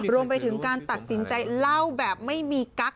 รวมไปถึงการตัดสินใจเล่าแบบไม่มีกั๊ก